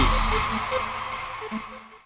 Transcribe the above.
โปรดติดตามตอนต่อไป